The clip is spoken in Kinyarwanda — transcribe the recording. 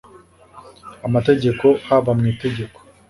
amategeko haba mu itegeko